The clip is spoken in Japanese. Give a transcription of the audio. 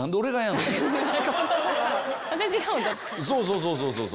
そうそうそうそう！